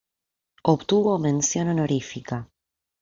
Obtuvo mención honorífica.